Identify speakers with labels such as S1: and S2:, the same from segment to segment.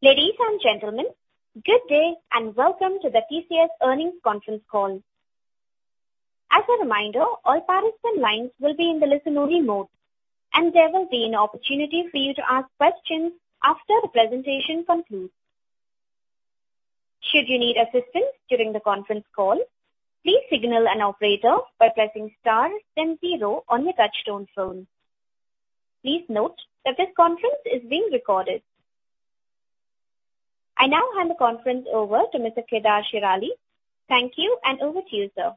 S1: Ladies and gentlemen, good day and welcome to the TCS earnings conference call. As a reminder, all participant lines will be in the listen-only mode, and there will be an opportunity for you to ask questions after the presentation concludes. Should you need assistance during the conference call, please signal an operator by pressing star then zero on your touch-tone phone. Please note that this conference is being recorded. I now hand the conference over to Mr. Kedar Shirali. Thank you, and over to you, sir.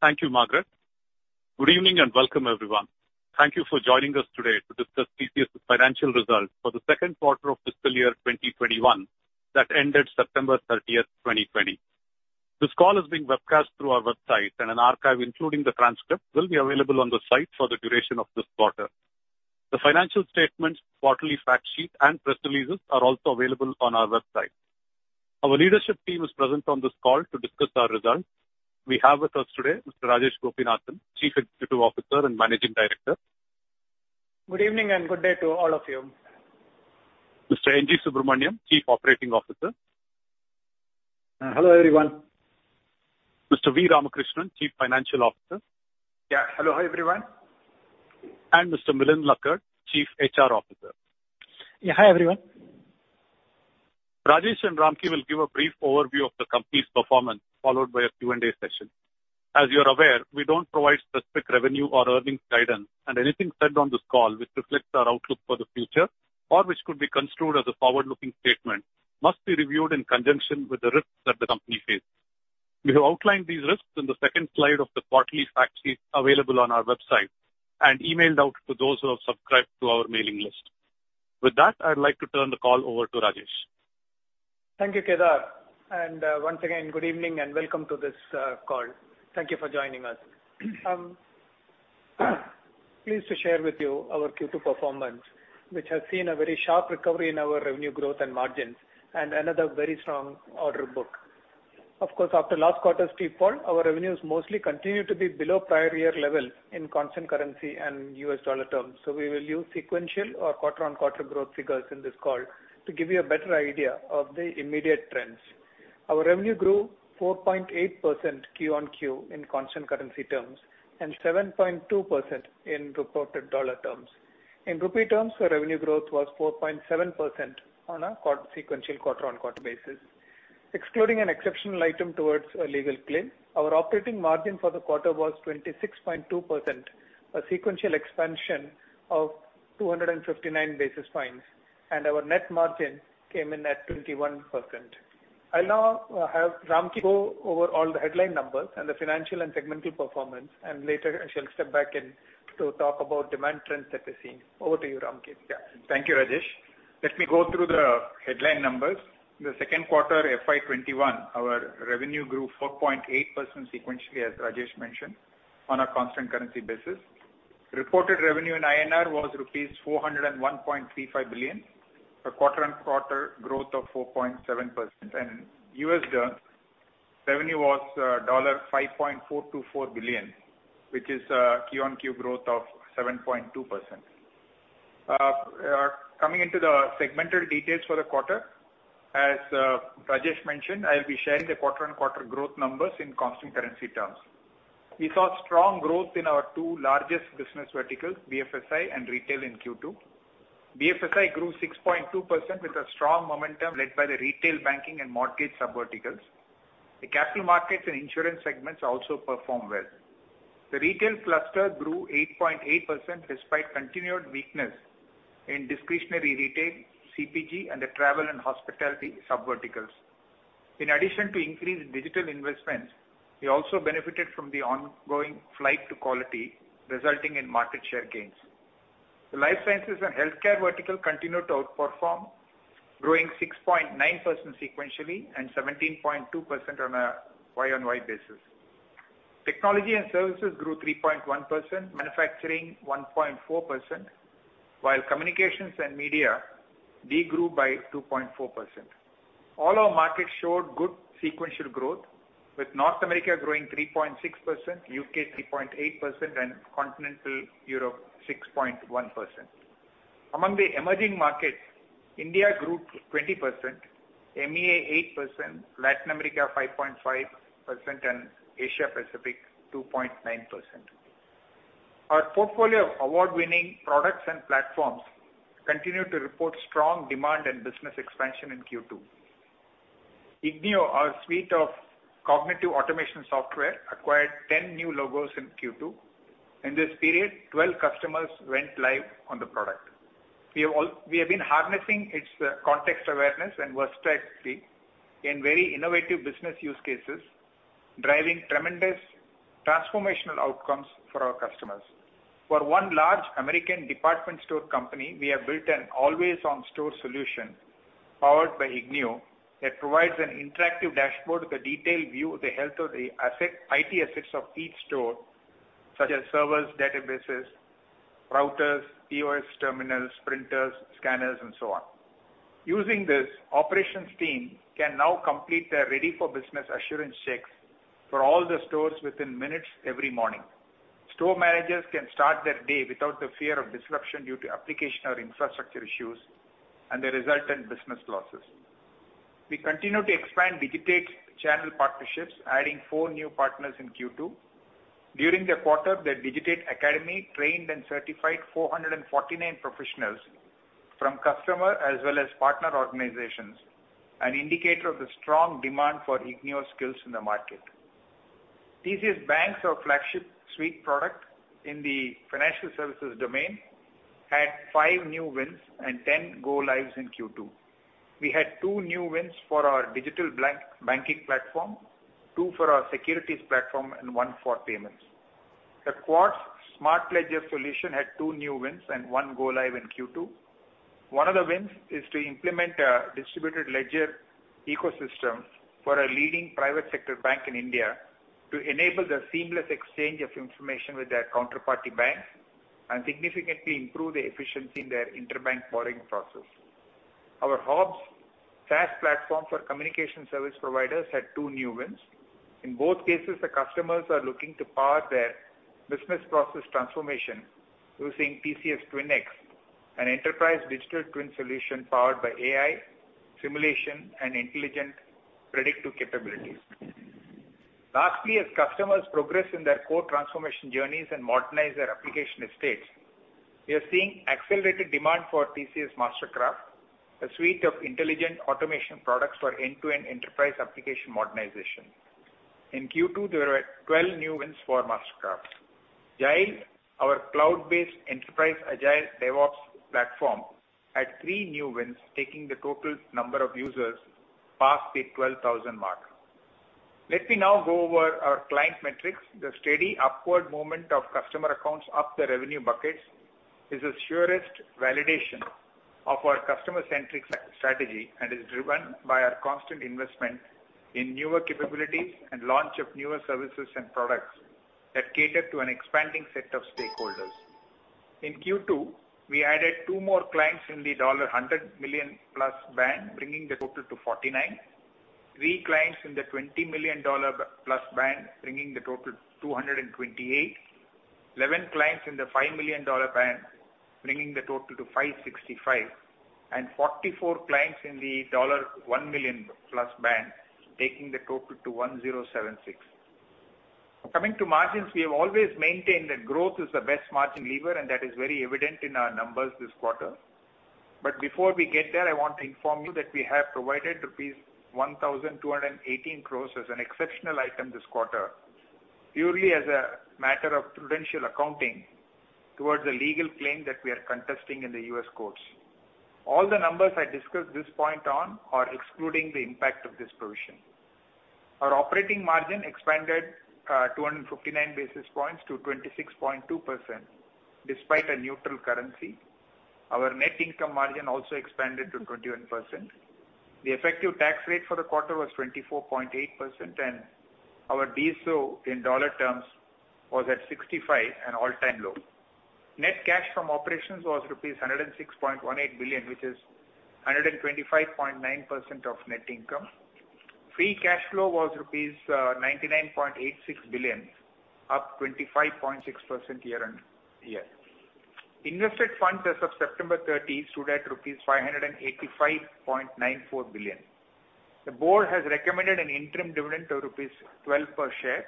S2: Thank you, Margaret. Good evening and welcome, everyone. Thank you for joining us today to discuss TCS's financial results for the second quarter of fiscal year 2021, that ended September 30th, 2020. This call is being webcast through our website, and an archive, including the transcript, will be available on the site for the duration of this quarter. The financial statements, quarterly fact sheet, and press releases are also available on our website. Our leadership team is present on this call to discuss our results. We have with us today Mr. Rajesh Gopinathan, Chief Executive Officer and Managing Director.
S3: Good evening and good day to all of you.
S2: Mr. N. G. Subramaniam, Chief Operating Officer.
S4: Hello, everyone.
S2: Mr. V. Ramakrishnan, Chief Financial Officer.
S5: Yeah. Hello. Hi, everyone.
S2: Mr. Milind Lakkad, Chief HR Officer.
S6: Hi, everyone.
S2: Rajesh and Ramki will give a brief overview of the company's performance, followed by a Q&A session. As you're aware, we don't provide specific revenue or earnings guidance, and anything said on this call which reflects our outlook for the future, or which could be construed as a forward-looking statement, must be reviewed in conjunction with the risks that the company faces. We have outlined these risks on the second slide of the quarterly fact sheet available on our website and emailed out to those who have subscribed to our mailing list. With that, I'd like to turn the call over to Rajesh.
S3: Thank you, Kedar. Once again, good evening and welcome to this call. Thank you for joining us. Pleased to share with you our Q2 performance, which has seen a very sharp recovery in our revenue growth and margins, and another very strong order book. Of course, after last quarter's steep fall, our revenues mostly continue to be below prior year level in constant currency and USD terms. We will use sequential or quarter-on-quarter growth figures in this call to give you a better idea of the immediate trends. Our revenue grew 4.8% Q-o-Q in constant currency terms, and 7.2% in reported USD terms. In INR terms, our revenue growth was 4.7% on a sequential quarter-on-quarter basis. Excluding an exceptional item towards a legal claim, our operating margin for the quarter was 26.2%, a sequential expansion of 259 basis points, and our net margin came in at 21%. I'll now have Ramki go over all the headline numbers and the financial and segmental performance, and later I shall step back in to talk about demand trends that we're seeing. Over to you, Ramki.
S5: Yeah. Thank you, Rajesh. Let me go through the headline numbers. In the second quarter FY2021, our revenue grew 4.8% sequentially, as Rajesh mentioned, on a constant currency basis. Reported revenue in INR was rupees 401.35 billion, a quarter-on-quarter growth of 4.7%. In US dollars, revenue was $5.424 billion, which is a Q-o-Q growth of 7.2%. Coming into the segmental details for the quarter, as Rajesh mentioned, I will be sharing the quarter-on-quarter growth numbers in constant currency terms. We saw strong growth in our two largest business verticals, BFSI and retail in Q2. BFSI grew 6.2% with a strong momentum led by the retail banking and mortgage subverticals. The capital markets and insurance segments also performed well. The retail cluster grew 8.8% despite continued weakness in discretionary retail, CPG, and the travel and hospitality subverticals. In addition to increased digital investments, we also benefited from the ongoing flight to quality, resulting in market share gains. The life sciences and healthcare vertical continued to outperform, growing 6.9% sequentially and 17.2% on a Y-o-Y basis. Technology and services grew 3.1%, manufacturing 1.4%, while communications and media de-grew by 2.4%. All our markets showed good sequential growth, with North America growing 3.6%, U.K. 3.8%, and continental Europe 6.1%. Among the emerging markets, India grew 20%, MEA 8%, Latin America 5.5%, and Asia Pacific 2.9%. Our portfolio of award-winning products and platforms continued to report strong demand and business expansion in Q2. ignio, our suite of cognitive automation software, acquired 10 new logos in Q2. In this period, 12 customers went live on the product. We have been harnessing its context awareness and versatility in very innovative business use cases, driving tremendous transformational outcomes for our customers. For one large American department store company, we have built an always-on store solution powered by ignio that provides an interactive dashboard with a detailed view of the health of the IT assets of each store, such as servers, databases, routers, POS terminals, printers, scanners, and so on. Using this, operations team can now complete their ready-for-business assurance checks for all the stores within minutes every morning. Store managers can start their day without the fear of disruption due to application or infrastructure issues and the resultant business losses. We continue to expand Digitate's channel partnerships, adding four new partners in Q2. During the quarter, the Digitate Academy trained and certified 449 professionals from customer as well as partner organizations, an indicator of the strong demand for ignio skills in the market. TCS BaNCS, our flagship suite product in the financial services domain, had five new wins and 10 go lives in Q2. We had two new wins for our digital banking platform, two for our securities platform, and one for payments. The Quartz Smart Ledgers solution had two new wins and one go live in Q2. One of the wins is to implement a distributed ledger ecosystem for a leading private sector bank in India to enable the seamless exchange of information with their counterparty banks and significantly improve the efficiency in their interbank borrowing process. Our HOBS SaaS platform for communication service providers had two new wins. In both cases, the customers are looking to power their business process transformation using TCS TwinX, an enterprise digital twin solution powered by AI, simulation, and intelligent predictive capabilities. Lastly, as customers progress in their core transformation journeys and modernize their application estates, we are seeing accelerated demand for TCS MasterCraft, a suite of intelligent automation products for end-to-end enterprise application modernization. In Q2, there were 12 new wins for MasterCraft. Jile, our cloud-based enterprise Agile DevOps platform, had three new wins, taking the total number of users past the 12,000 mark. Let me now go over our client metrics. The steady upward movement of customer accounts up the revenue buckets is the surest validation of our customer-centric strategy and is driven by our constant investment in newer capabilities and launch of newer services and products that cater to an expanding set of stakeholders. In Q2, we added two more clients in the $100 million-plus band, bringing the total to 49, three clients in the $20 million-plus band, bringing the total to 228, 11 clients in the $5 million band, bringing the total to 565, and 44 clients in the $1 million+ band, taking the total to 1,076. Coming to margins, we have always maintained that growth is the best margin lever, and that is very evident in our numbers this quarter. Before we get there, I want to inform you that we have provided rupees 1,218 crore as an exceptional item this quarter, purely as a matter of prudential accounting towards the legal claim that we are contesting in the U.S. courts. All the numbers I discuss this point on are excluding the impact of this provision. Our operating margin expanded 259 basis points to 26.2%, despite a neutral currency. Our net income margin also expanded to 21%. The effective tax rate for the quarter was 24.8%, and our DSO in dollar terms was at 65, an all-time low. Net cash from operations was rupees 106.18 billion, which is 125.9% of net income. Free cash flow was rupees 99.86 billion, up 25.6% year-on-year. Invested funds as of September 30 stood at rupees 585.94 billion. The board has recommended an interim dividend of rupees 12 per share.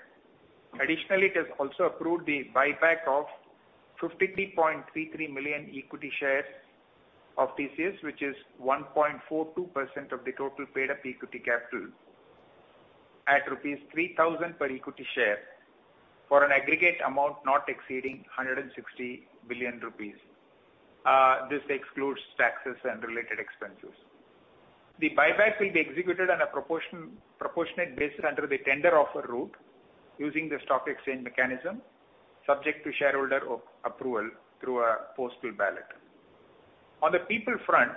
S5: Additionally, it has also approved the buyback of 53.33 million equity shares of TCS, which is 1.42% of the total paid-up equity capital at rupees 3,000 per equity share for an aggregate amount not exceeding 160 billion rupees. This excludes taxes and related expenses. The buyback will be executed on a proportionate basis under the tender offer route using the stock exchange mechanism, subject to shareholder approval through a postal ballot. On the people front,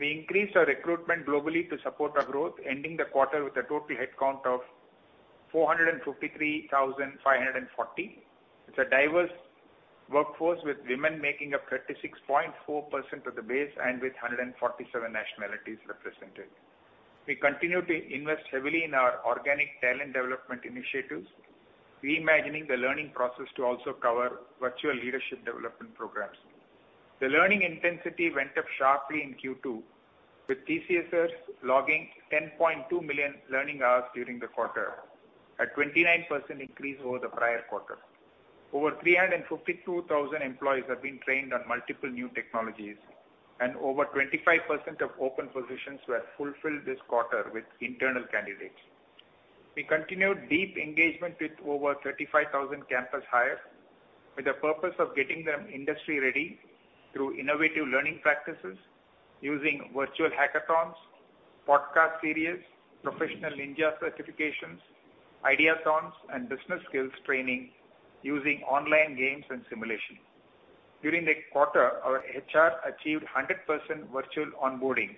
S5: we increased our recruitment globally to support our growth, ending the quarter with a total headcount of 453,540. It's a diverse workforce with women making up 36.4% of the base and with 147 nationalities represented. We continue to invest heavily in our organic talent development initiatives, reimagining the learning process to also cover virtual leadership development programs. The learning intensity went up sharply in Q2, with TCSers logging 10.2 million learning hours during the quarter, a 29% increase over the prior quarter. Over 352,000 employees have been trained on multiple new technologies, and over 25% of open positions were fulfilled this quarter with internal candidates. We continued deep engagement with over 35,000 campus hires with the purpose of getting them industry ready through innovative learning practices using virtual hackathons, podcast series, professional ninja certifications, ideathons, and business skills training using online games and simulations. During the quarter, our HR achieved 100% virtual onboarding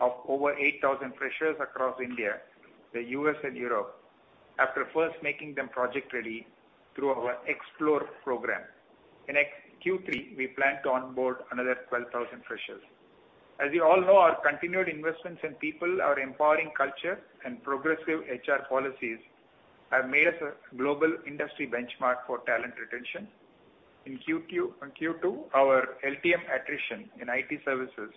S5: of over 8,000 freshers across India, the U.S., and Europe. After first making them project ready through our Xplore program. In Q3, we plan to onboard another 12,000 freshers. As you all know, our continued investments in people, our empowering culture and progressive HR policies have made us a global industry benchmark for talent retention. In Q2, our LTM attrition in IT services,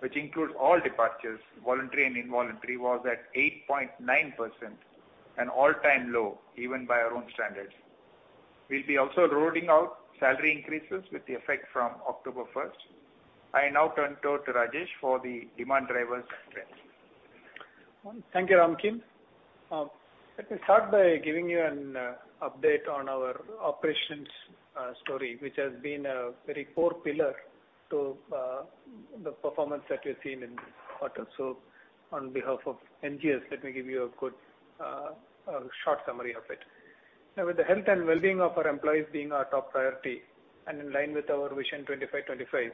S5: which includes all departures, voluntary and involuntary, was at 8.9%, an all-time low, even by our own standards. We'll be also rolling out salary increases with effect from October 1st. I now turn it over to Rajesh for the demand drivers and trends.
S3: Thank you, Ramki. Let me start by giving you an update on our operations story, which has been a very core pillar to the performance that we've seen in this quarter. On behalf of NGS, let me give you a short summary of it. With the health and wellbeing of our employees being our top priority, and in line with our Vision 25/25,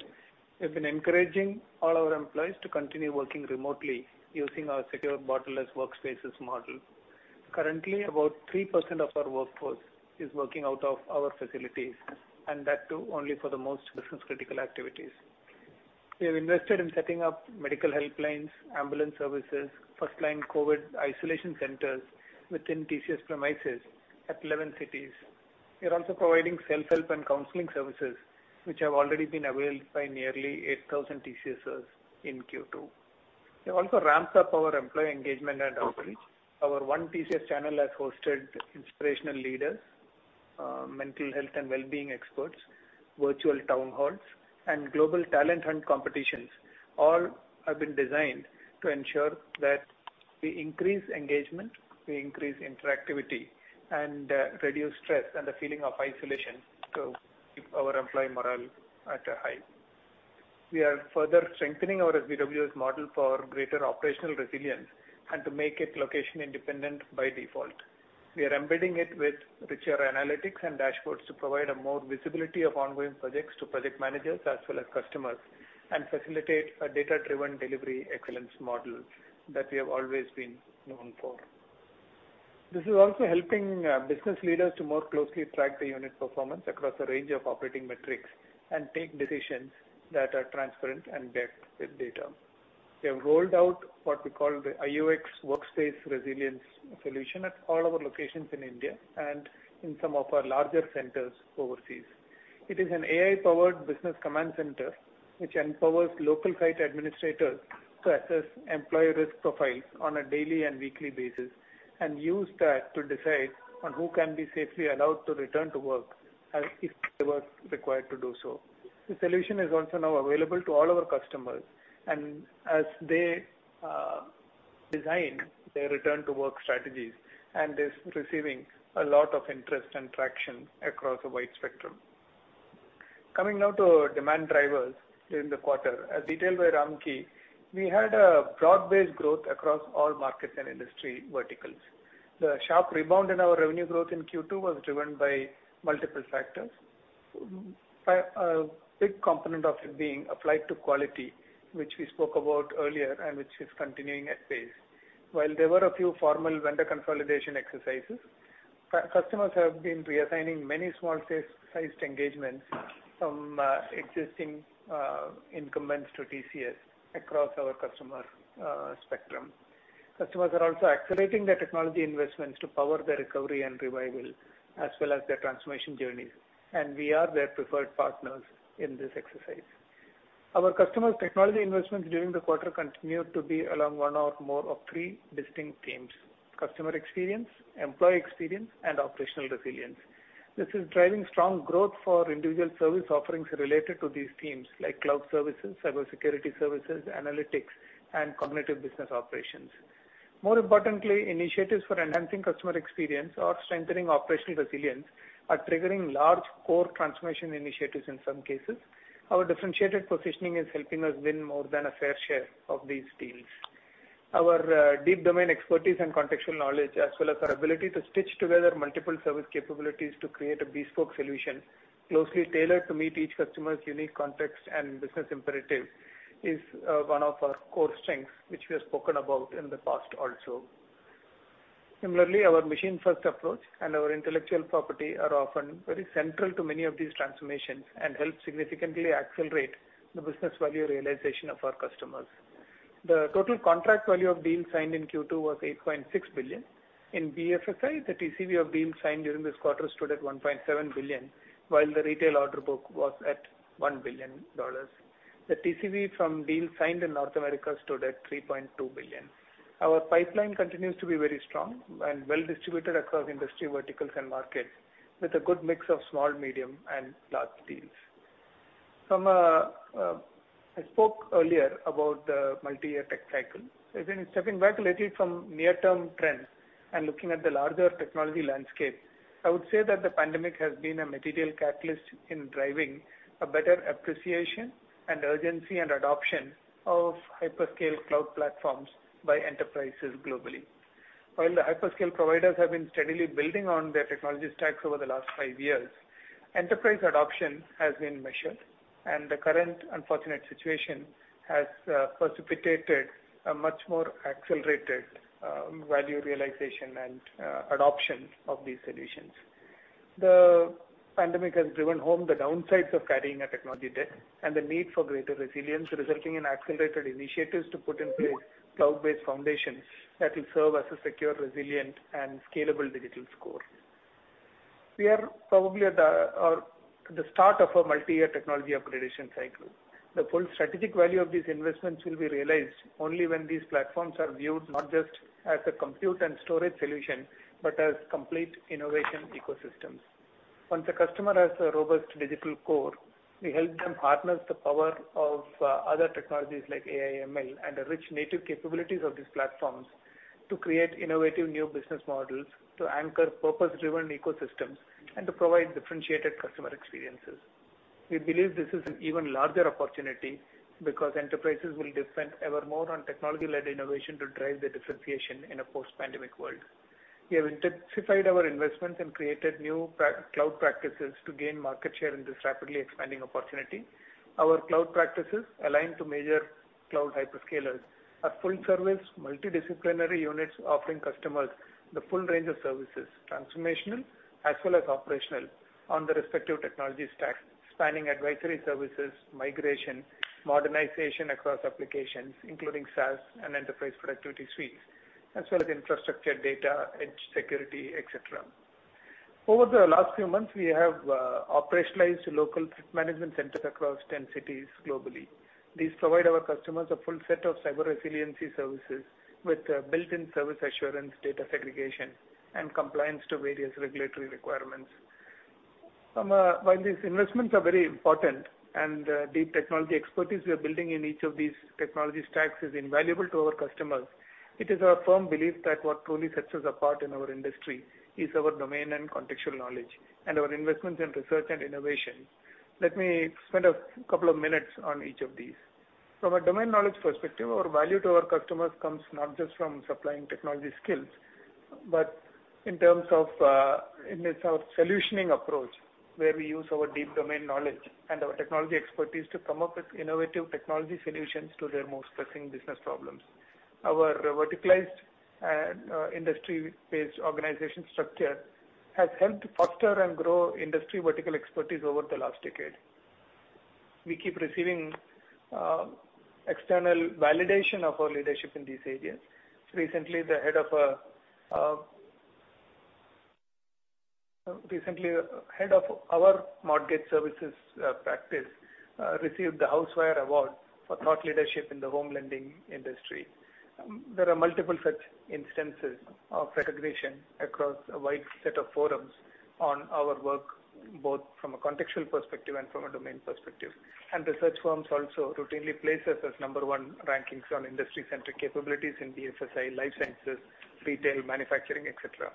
S3: we've been encouraging all our employees to continue working remotely using our secure borderless workspaces model. Currently, about 3% of our workforce is working out of our facilities, and that too, only for the most business-critical activities. We have invested in setting up medical helplines, ambulance services, first-line COVID isolation centers within TCS premises at 11 cities. We are also providing self-help and counseling services, which have already been availed by nearly 8,000 TCSers in Q2. We have also ramped up our employee engagement and outreach. Our One TCS channel has hosted inspirational leaders, mental health, and wellbeing experts, virtual town halls, and global talent hunt competitions, all have been designed to ensure that we increase engagement, we increase interactivity, and reduce stress and the feeling of isolation to keep our employee morale at a high. We are further strengthening our SBWS model for greater operational resilience and to make it location-independent by default. We are embedding it with richer analytics and dashboards to provide more visibility of ongoing projects to project managers as well as customers, and facilitate a data-driven delivery excellence model that we have always been known for. This is also helping business leaders to more closely track the unit performance across a range of operating metrics and make decisions that are transparent and backed with data. We have rolled out what we call the IUX for Workplace Resilience solution at all our locations in India and in some of our larger centers overseas. It is an AI-powered business command center, which empowers local site administrators to access employee risk profiles on a daily and weekly basis, and use that to decide on who can be safely allowed to return to work if they were required to do so. The solution is also now available to all our customers as they design their return-to-work strategies, and is receiving a lot of interest and traction across a wide spectrum. Coming now to demand drivers during the quarter. As detailed by Ramki, we had a broad-based growth across all markets and industry verticals. The sharp rebound in our revenue growth in Q2 was driven by multiple factors. A big component of it being applied to quality, which we spoke about earlier and which is continuing at pace. While there were a few formal vendor consolidation exercises, customers have been reassigning many small-sized engagements from existing incumbents to TCS across our customer spectrum. Customers are also accelerating their technology investments to power their recovery and revival, as well as their transformation journeys, and we are their preferred partners in this exercise. Our customer technology investments during the quarter continued to be along one or more of three distinct themes: customer experience, employee experience, and operational resilience. This is driving strong growth for individual service offerings related to these themes, like cloud services, cybersecurity services, analytics, and cognitive business operations. More importantly, initiatives for enhancing customer experience or strengthening operational resilience are triggering large core transformation initiatives in some cases. Our differentiated positioning is helping us win more than a fair share of these deals. Our deep domain expertise and contextual knowledge, as well as our ability to stitch together multiple service capabilities to create a bespoke solution closely tailored to meet each customer's unique context and business imperative is one of our core strengths, which we have spoken about in the past also. Similarly, our machine-first approach and our intellectual property are often very central to many of these transformations and help significantly accelerate the business value realization of our customers. The total contract value of deals signed in Q2 was $8.6 billion. In BFSI, the TCV of deals signed during this quarter stood at $1.7 billion, while the retail order book was at $1 billion. The TCV from deals signed in North America stood at $3.2 billion. Our pipeline continues to be very strong and well-distributed across industry verticals and markets, with a good mix of small, medium, and large deals. I spoke earlier about the multi-year tech cycle. Stepping back a little from near-term trends and looking at the larger technology landscape, I would say that the pandemic has been a material catalyst in driving a better appreciation and urgency and adoption of hyperscale cloud platforms by enterprises globally. While the hyperscale providers have been steadily building on their technology stacks over the last five years, enterprise adoption has been measured. The current unfortunate situation has precipitated a much more accelerated value realization and adoption of these solutions. The pandemic has driven home the downsides of carrying a technology debt and the need for greater resilience, resulting in accelerated initiatives to put in place cloud-based foundations that will serve as a secure, resilient, and scalable digital core. We are probably at the start of a multi-year technology up gradation cycle. The full strategic value of these investments will be realized only when these platforms are viewed not just as a compute and storage solution, but as complete innovation ecosystems. Once a customer has a robust digital core, we help them harness the power of other technologies like AI, ML, and the rich native capabilities of these platforms to create innovative new business models to anchor purpose-driven ecosystems and to provide differentiated customer experiences. We believe this is an even larger opportunity because enterprises will depend ever more on technology-led innovation to drive their differentiation in a post-pandemic world. We have intensified our investments and created new cloud practices to gain market share in this rapidly expanding opportunity. Our cloud practices align to major cloud hyperscalers are full service, multidisciplinary units offering customers the full range of services, transformational as well as operational on the respective technology stacks, spanning advisory services, migration, modernization across applications, including SaaS and enterprise productivity suites, as well as infrastructure, data, edge security, et cetera. Over the last few months, we have operationalized local threat management centers across 10 cities globally. These provide our customers a full set of cyber resiliency services with built-in service assurance, data segregation, and compliance to various regulatory requirements. While these investments are very important and the deep technology expertise we are building in each of these technology stacks is invaluable to our customers, it is our firm belief that what truly sets us apart in our industry is our domain and contextual knowledge, and our investments in research and innovation. Let me spend a couple of minutes on each of these. From a domain knowledge perspective, our value to our customers comes not just from supplying technology skills, but in terms of our solutioning approach, where we use our deep domain knowledge and our technology expertise to come up with innovative technology solutions to their most pressing business problems. Our verticalized and industry-based organization structure has helped foster and grow industry vertical expertise over the last decade. We keep receiving external validation of our leadership in these areas. Recently, the head of our mortgage services practice received the HousingWire Award for thought leadership in the home lending industry. There are multiple such instances of recognition across a wide set of forums on our work, both from a contextual perspective and from a domain perspective. Research firms also routinely place us as number one rankings on industry-centric capabilities in BFSI, life sciences, retail, manufacturing, et cetera.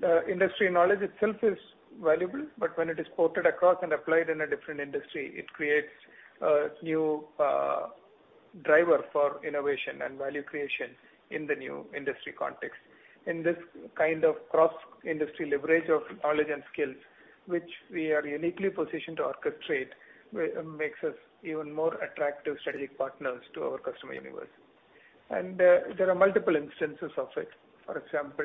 S3: The industry knowledge itself is valuable, but when it is ported across and applied in a different industry, it creates a new driver for innovation and value creation in the new industry context. In this kind of cross-industry leverage of knowledge and skills, which we are uniquely positioned to orchestrate, makes us even more attractive strategic partners to our customer universe. There are multiple instances of it. For example,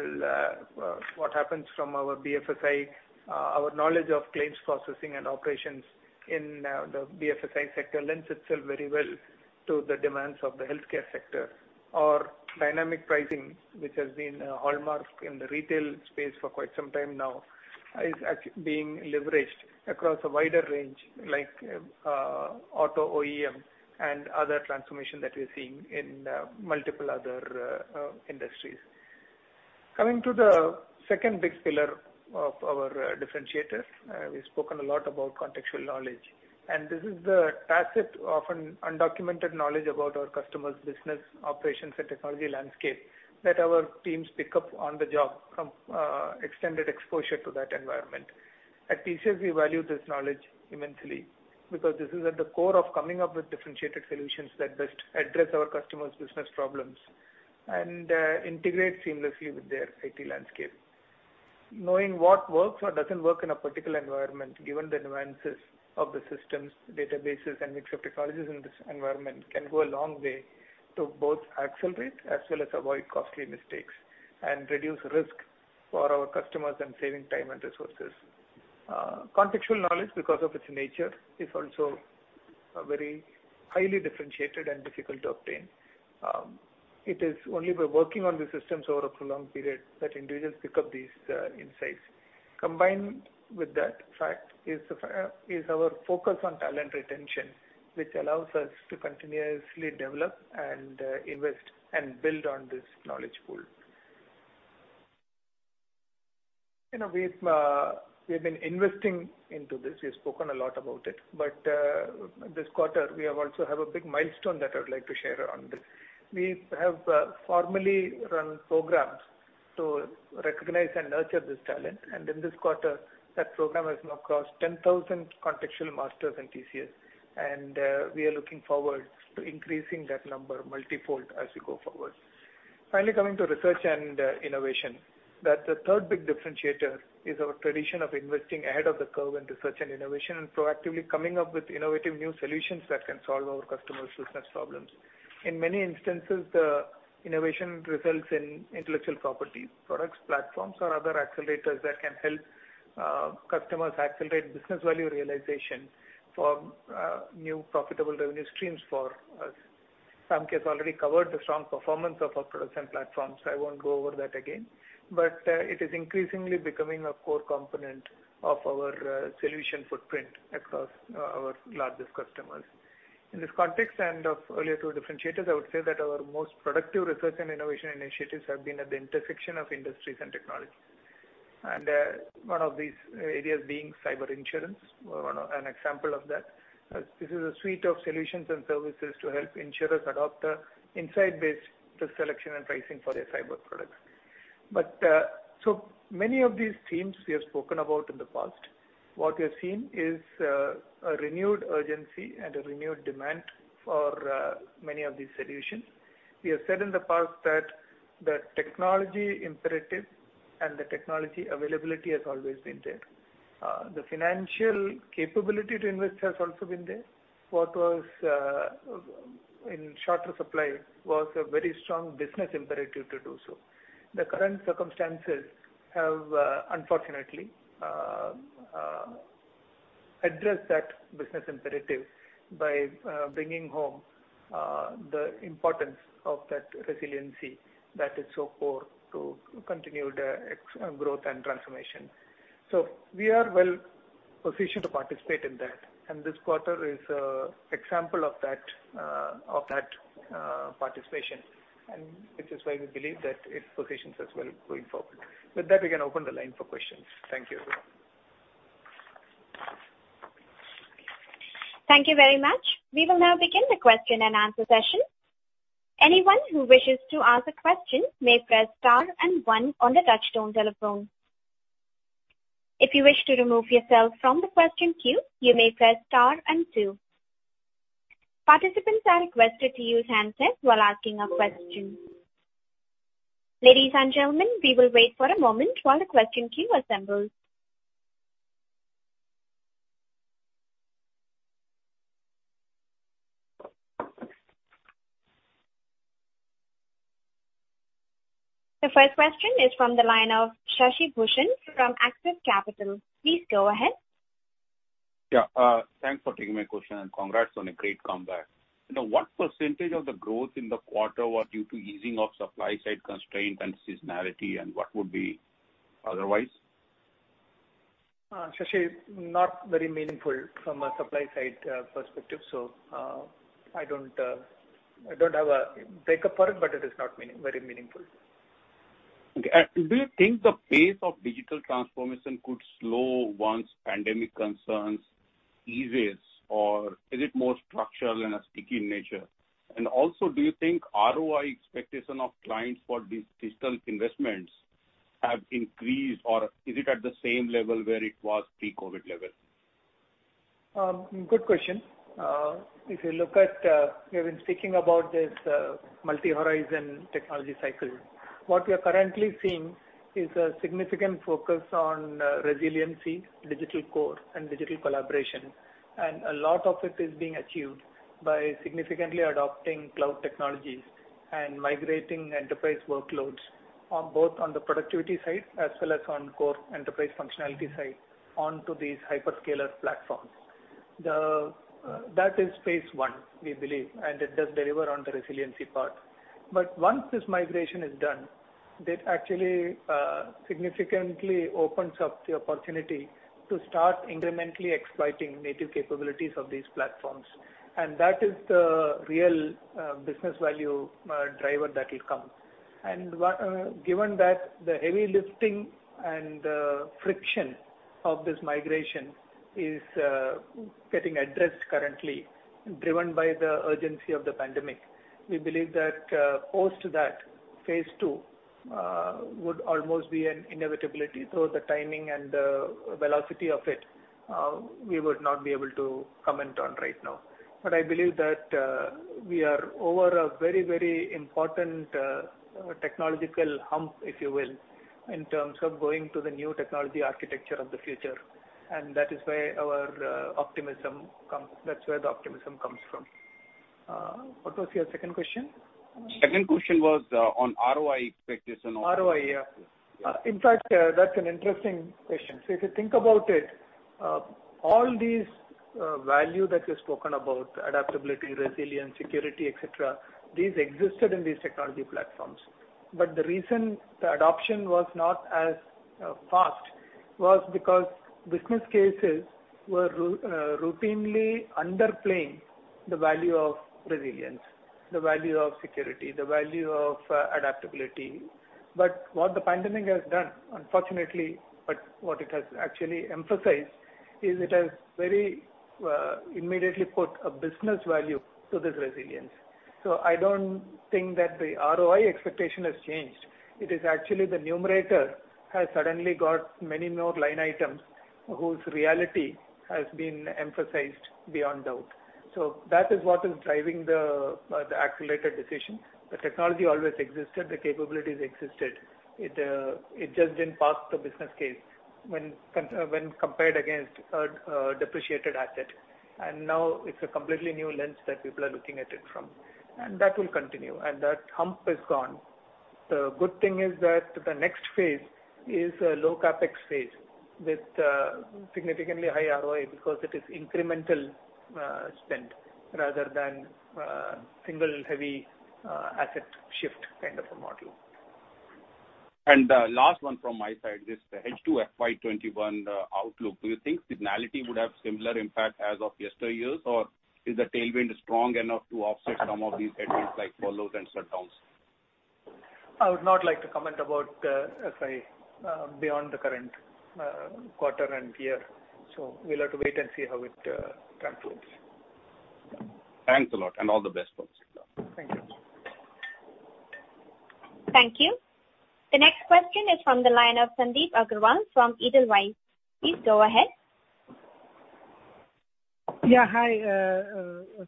S3: what happens from our BFSI. Our knowledge of claims processing and operations in the BFSI sector lends itself very well to the demands of the healthcare sector, or dynamic pricing, which has been a hallmark in the retail space for quite some time now, is being leveraged across a wider range like auto OEM and other transformation that we're seeing in multiple other industries. Coming to the second big pillar of our differentiators. We've spoken a lot about contextual knowledge. This is the tacit, often undocumented knowledge about our customers' business operations and technology landscape that our teams pick up on the job from extended exposure to that environment. At TCS, we value this knowledge immensely because this is at the core of coming up with differentiated solutions that best address our customers' business problems and integrate seamlessly with their IT landscape. Knowing what works or doesn't work in a particular environment, given the advances of the systems, databases, and mix of technologies in this environment can go a long way to both accelerate as well as avoid costly mistakes and reduce risk for our customers and saving time and resources. Contextual knowledge, because of its nature, is also very highly differentiated and difficult to obtain. It is only by working on the systems over a prolonged period that individuals pick up these insights. Combined with that fact is our focus on talent retention, which allows us to continuously develop and invest and build on this knowledge pool. We've been investing into this. We've spoken a lot about it. This quarter, we also have a big milestone that I would like to share on this. We have formally run programs to recognize and nurture this talent. In this quarter, that program has now crossed 10,000 contextual masters in TCS. We are looking forward to increasing that number multifold as we go forward. Finally, coming to research and innovation. The third big differentiator is our tradition of investing ahead of the curve in research and innovation and proactively coming up with innovative new solutions that can solve our customers' business problems. In many instances, the innovation results in intellectual property, products, platforms, or other accelerators that can help customers accelerate business value realization for new profitable revenue streams for us. Ramki has already covered the strong performance of our products and platforms. I won't go over that again. It is increasingly becoming a core component of our solution footprint across our largest customers. In this context and of earlier two differentiators, I would say that our most productive research and innovation initiatives have been at the intersection of industries and technology. One of these areas being cyber insurance, an example of that. This is a suite of solutions and services to help insurers adopt an insight-based selection and pricing for their cyber products. Many of these themes we have spoken about in the past. What we are seeing is a renewed urgency and a renewed demand for many of these solutions. We have said in the past that the technology imperative and the technology availability has always been there. The financial capability to invest has also been there. What was in shorter supply was a very strong business imperative to do so. The current circumstances have, unfortunately, addressed that business imperative by bringing home the importance of that resiliency that is so core to continued growth and transformation. We are well-positioned to participate in that, and this quarter is an example of that participation and which is why we believe that it positions us well going forward. With that, we can open the line for questions. Thank you.
S1: Thank you very much. We will now begin the question-and-answer session. Anyone who wishes to ask a question may press star and one on the touchtone telephone. If you wish to remove yourself from the question queue, you may press star and two. Participants are requested to use handsets while asking a question. Ladies and gentlemen, we will wait for a moment while the question queue assembles. The first question is from the line of Shashi Bhushan from Axis Capital. Please go ahead.
S7: Yeah. Thanks for taking my question, and congrats on a great comeback. What percentage of the growth in the quarter was due to easing of supply-side constraints and seasonality, and what would be otherwise?
S3: Shashi, not very meaningful from a supply-side perspective. I don't have a breakup for it, but it is not very meaningful.
S7: Okay. Do you think the pace of digital transformation could slow once pandemic concerns ease? Is it more structural and sticky in nature? Also, do you think ROI expectation of clients for these digital investments have increased, or is it at the same level where it was pre-COVID level?
S3: Good question. If you look at, we have been speaking about this multi-horizon technology cycle. What we are currently seeing is a significant focus on resiliency, digital core, and digital collaboration. A lot of it is being achieved by significantly adopting cloud technologies and migrating enterprise workloads both on the productivity side as well as on core enterprise functionality side onto these hyperscaler platforms. That is phase one, we believe, and it does deliver on the resiliency part. Once this migration is done, that actually significantly opens up the opportunity to start incrementally exploiting native capabilities of these platforms. That is the real business value driver that will come. Given that the heavy lifting and the friction of this migration is getting addressed currently, driven by the urgency of the pandemic, we believe that post that, phase II would almost be an inevitability. The timing and the velocity of it, we would not be able to comment on right now. I believe that we are over a very important technological hump, if you will, in terms of going to the new technology architecture of the future. That is where the optimism comes from. What was your second question?
S7: Second question was on ROI expectation.
S3: ROI, yeah. In fact, that's an interesting question. If you think about it, all this value that we've spoken about, adaptability, resilience, security, et cetera, these existed in these technology platforms. The reason the adoption was not as fast was because business cases were routinely underplaying the value of resilience, the value of security, the value of adaptability. What the pandemic has done, unfortunately, but what it has actually emphasized, is it has very immediately put a business value to this resilience. I don't think that the ROI expectation has changed. It is actually the numerator has suddenly got many more line items whose reality has been emphasized beyond doubt. That is what is driving the accelerated decision. The technology always existed, the capabilities existed. It just didn't pass the business case when compared against a depreciated asset. Now it's a completely new lens that people are looking at it from, and that will continue and that hump is gone. The good thing is that the next phase is a low CapEx phase with significantly high ROI because it is incremental spend rather than a single heavy asset shift kind of a model.
S7: The last one from my side is the H2 FY2021 outlook. Do you think seasonality would have similar impact as of yesteryears or is the tailwind strong enough to offset some of these headwinds like furloughs and shutdowns?
S3: I would not like to comment about FY beyond the current quarter and year. We'll have to wait and see how it concludes.
S7: Thanks a lot and all the best for the future.
S3: Thank you.
S1: Thank you. The next question is from the line of Sandeep Agarwal from Edelweiss. Please go ahead.
S8: Yeah. Hi.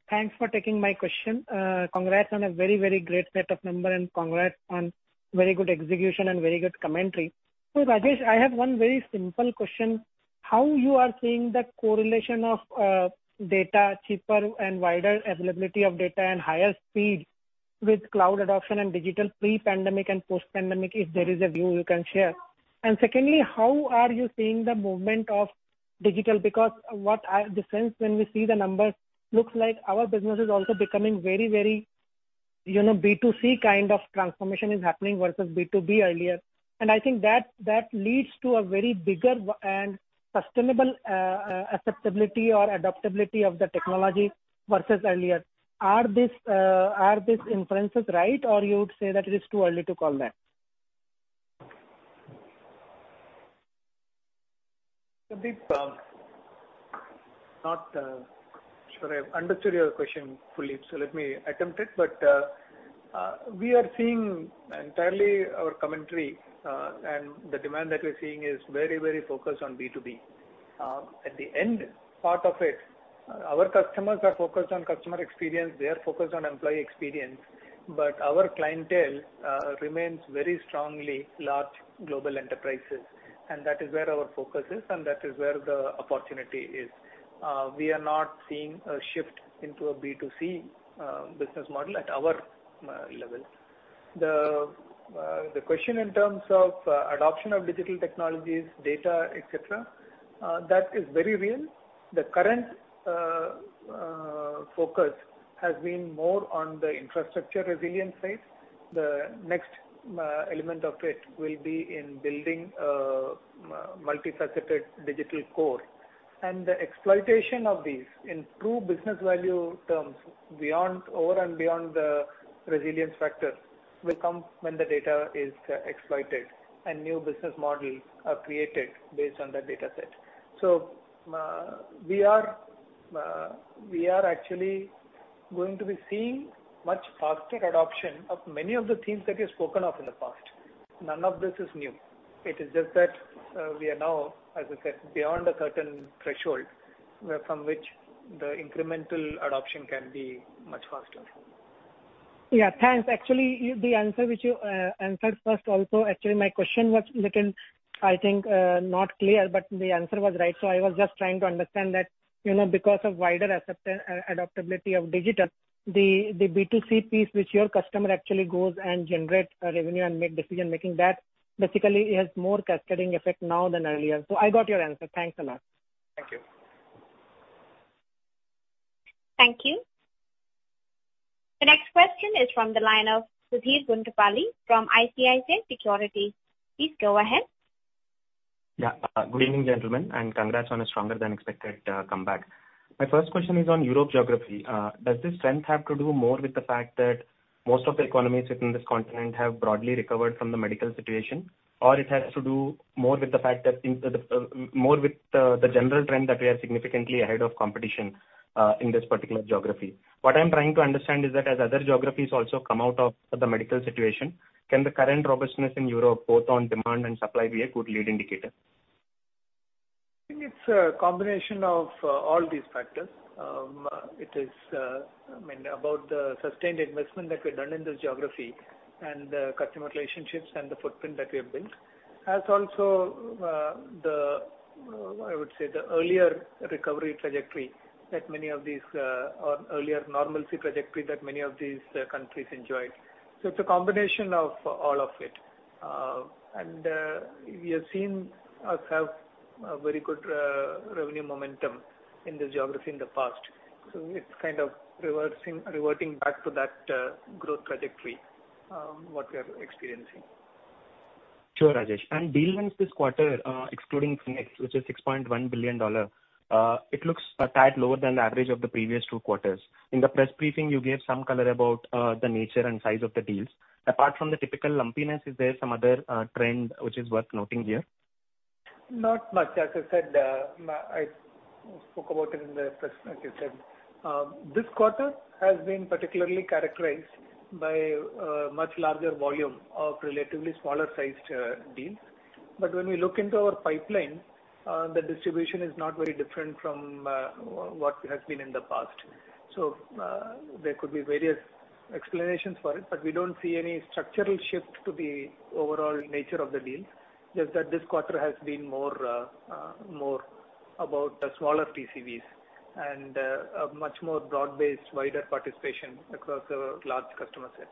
S8: Thanks for taking my question. Congrats on a very great set of numbers and congrats on very good execution and very good commentary. Rajesh, I have one very simple question. How you are seeing the correlation of data cheaper and wider availability of data and higher speed with cloud adoption and digital pre-pandemic and post-pandemic, if there is a view you can share. Secondly, how are you seeing the movement of digital? Because what I've sensed when we see the numbers, looks like our business is also becoming very, B2C kind of transformation is happening versus B2B earlier. I think that leads to a very bigger and sustainable acceptability or adaptability of the technology versus earlier. Are these inferences right? You would say that it is too early to call that?
S3: Sandeep, not sure I've understood your question fully, so let me attempt it. We are seeing entirely our commentary, and the demand that we're seeing is very focused on B2B. At the end part of it, our customers are focused on customer experience, they are focused on employee experience, but our clientele remains very strongly large global enterprises, and that is where our focus is, and that is where the opportunity is. We are not seeing a shift into a B2C business model at our levels. The question in terms of adoption of digital technologies, data, et cetera, that is very real. The current focus has been more on the infrastructure resilience side. The next element of it will be in building a multifaceted digital core. The exploitation of these in true business value terms over and beyond the resilience factor will come when the data is exploited and new business models are created based on the dataset. We are actually going to be seeing much faster adoption of many of the themes that we have spoken of in the past. None of this is new. It is just that we are now, as I said, beyond a certain threshold from which the incremental adoption can be much faster.
S8: Yeah. Thanks. Actually, the answer which you answered first also, actually my question was little, I think, not clear, but the answer was right. I was just trying to understand that because of wider adaptability of digital, the B2C piece which your customer actually goes and generates a revenue and make decision making that basically has more cascading effect now than earlier. I got your answer. Thanks a lot.
S3: Thank you.
S1: Thank you. The next question is from the line of Sudheer Guntupalli from ICICI Securities. Please go ahead.
S9: Good evening, gentlemen, and congrats on a stronger than expected comeback. My first question is on Europe geography. Does this strength have to do more with the fact that most of the economies within this continent have broadly recovered from the medical situation, or it has to do more with the general trend that we are significantly ahead of competition in this particular geography? What I am trying to understand is that as other geographies also come out of the medical situation, can the current robustness in Europe both on demand and supply be a good lead indicator?
S3: I think it's a combination of all these factors. It is about the sustained investment that we've done in this geography and the customer relationships and the footprint that we have built. As also the, I would say the earlier recovery trajectory or earlier normalcy trajectory that many of these countries enjoyed. It's a combination of all of it. You have seen us have a very good revenue momentum in this geography in the past. It's kind of reverting back to that growth trajectory, what we are experiencing.
S9: Sure, Rajesh. Deal wins this quarter, excluding Phoenix, which is $6.1 billion, it looks a tad lower than the average of the previous two quarters. In the press briefing, you gave some color about the nature and size of the deals. Apart from the typical lumpiness, is there some other trend which is worth noting here?
S3: Not much. As I said, I spoke about it in the press, like you said. This quarter has been particularly characterized by a much larger volume of relatively smaller-sized deals. When we look into our pipeline, the distribution is not very different from what has been in the past. There could be various explanations for it, but we don't see any structural shift to the overall nature of the deals. Just that this quarter has been more about the smaller TCVs and a much more broad-based, wider participation across our large customer set.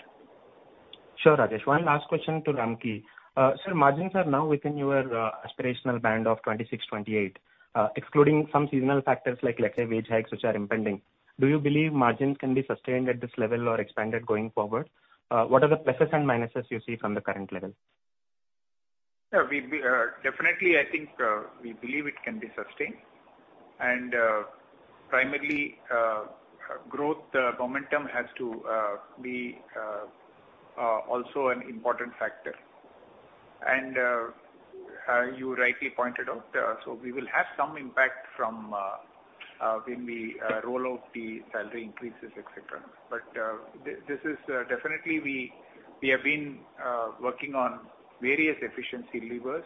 S9: Sure, Rajesh. One last question to Ramki. Sir, margins are now within your aspirational band of 26%-28%. Excluding some seasonal factors, like let's say wage hikes which are impending, do you believe margins can be sustained at this level or expanded going forward? What are the pluses and minuses you see from the current level?
S5: Yeah. Definitely, I think we believe it can be sustained, primarily growth momentum has to be also an important factor. You rightly pointed out, we will have some impact from when we roll out the salary increases, et cetera. This is definitely, we have been working on various efficiency levers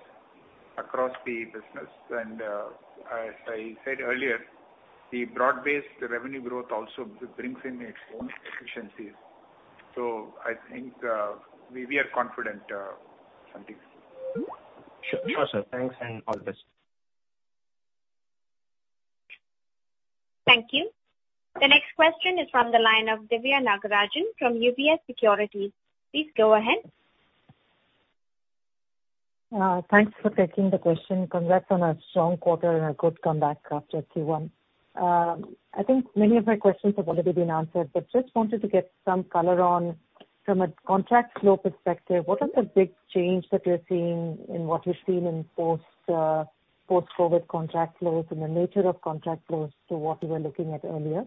S5: across the business. As I said earlier, the broad-based revenue growth also brings in its own efficiencies. I think we are confident, Sudheer.
S9: Sure, sir. Thanks and all the best.
S1: Thank you. The next question is from the line of Diviya Nagarajan from UBS Securities. Please go ahead.
S10: Thanks for taking the question. Congrats on a strong quarter and a good comeback after Q1. I think many of my questions have already been answered, but just wanted to get some color on, from a contract flow perspective, what is the big change that you're seeing in post-COVID contract flows and the nature of contract flows to what you were looking at earlier?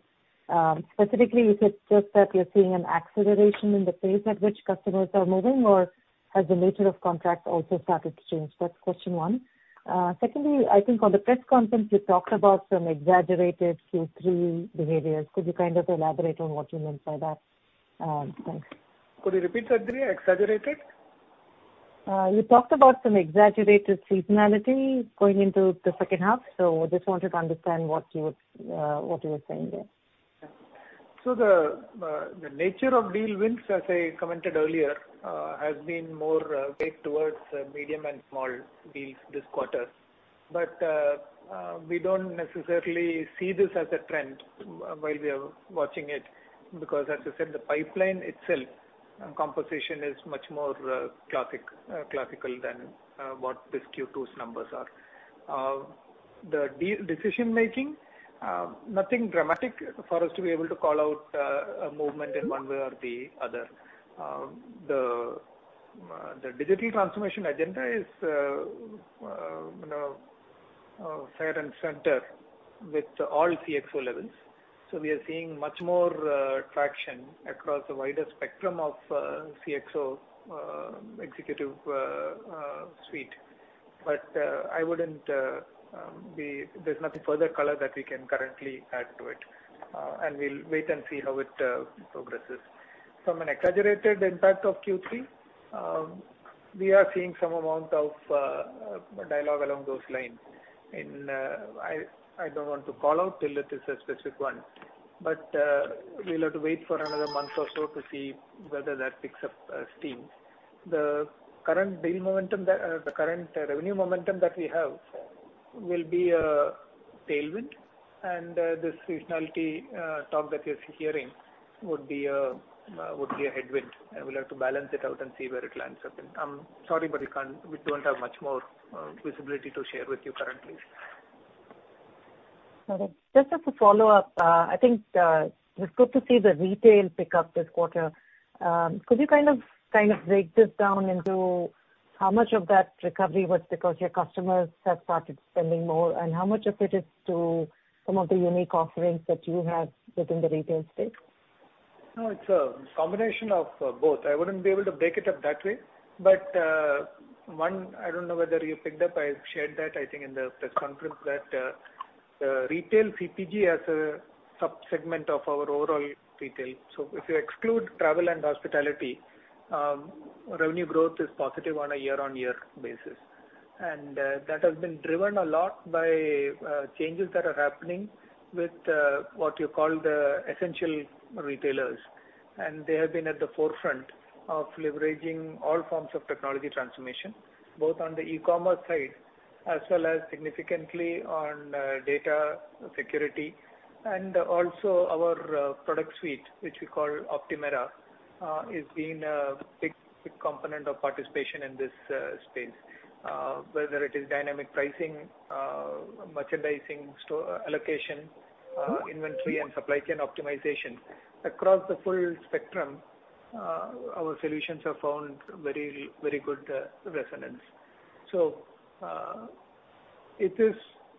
S10: Specifically, is it just that you're seeing an acceleration in the pace at which customers are moving, or has the nature of contracts also started to change? That's question one. Secondly, I think on the press conference, you talked about some exaggerated Q3 behaviors. Could you kind of elaborate on what you meant by that? Thanks.
S3: Could you repeat that, Diviya, exaggerated?
S10: You talked about some exaggerated seasonality going into the second half. Just wanted to understand what you were saying there.
S3: The nature of deal wins, as I commented earlier, has been more weighed towards medium and small deals this quarter. We don't necessarily see this as a trend while we are watching it, because as I said, the pipeline itself composition is much more classical than what this Q2's numbers are. The deal decision-making, nothing dramatic for us to be able to call out a movement in one way or the other. The digital transformation agenda is front and center with all CXO levels. We are seeing much more traction across a wider spectrum of CXO executive suite. There's nothing further color that we can currently add to it. We'll wait and see how it progresses. From an exaggerated impact of Q3, we are seeing some amount of dialogue along those lines and I don't want to call out till it is a specific one. We'll have to wait for another month or so to see whether that picks up steam. The current revenue momentum that we have will be a tailwind, and this seasonality talk that you're hearing would be a headwind, and we'll have to balance it out and see where it lands up in. I'm sorry, but we don't have much more visibility to share with you currently.
S10: Got it. Just as a follow-up, I think it is good to see the retail pick up this quarter. Could you kind of break this down into how much of that recovery was because your customers have started spending more, and how much of it is to some of the unique offerings that you have within the retail space?
S3: No, it's a combination of both. I wouldn't be able to break it up that way. One, I don't know whether you picked up, I shared that, I think, in the press conference that retail CPG as a sub-segment of our overall retail. If you exclude travel and hospitality, revenue growth is positive on a year-on-year basis. That has been driven a lot by changes that are happening with what you call the essential retailers. They have been at the forefront of leveraging all forms of technology transformation, both on the e-commerce side as well as significantly on data security. Also our product suite, which we call Optumera, is being a big component of participation in this space. Whether it is dynamic pricing, merchandising, store allocation, inventory, and supply chain optimization. Across the full spectrum, our solutions have found very good resonance. It is